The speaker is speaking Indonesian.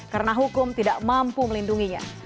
karena hukum tidak mampu melindunginya